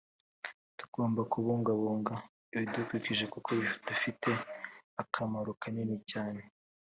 Tugomba kubungabunga ibidukikije kuko bidufite akamaro kanini cyane